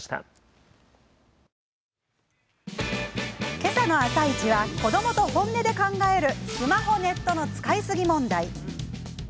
今朝の「あさイチ」は子どもと本音で考えるスマホ、ネットの使いすぎ問題。